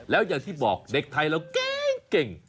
แล้วอย่างที่บอกเด็กไทยเราเก่ง